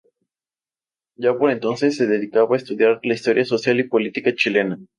Ya por entonces se dedicaba a estudiar la historia social y política chilena.